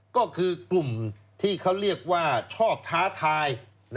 ก็คือกลุ่มที่เขาเรียกว่าชอบท้าทาย